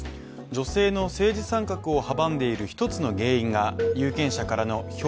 女性の政治参画を阻んでいる一つの原因が、有権者からの票